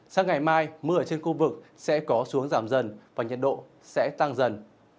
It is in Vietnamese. sáng ngày mai mưa ở trên khu vực sẽ có xuống giảm dần và nhiệt độ sẽ tăng dần